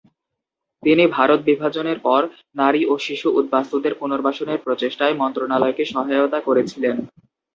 তিনি ভারত বিভাজনের পর নারী ও শিশু উদ্বাস্তুদের পুনর্বাসনের প্রচেষ্টায় মন্ত্রণালয়কে সহায়তা করেছিলেন।